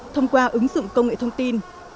thông qua ứng dụng công nghệ thông tin